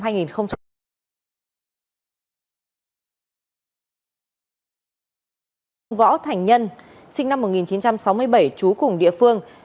huỳnh văn giàu sinh năm một nghìn chín trăm sáu mươi bảy trú cùng địa phương